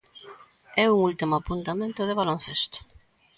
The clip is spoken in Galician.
E un último apuntamento de baloncesto.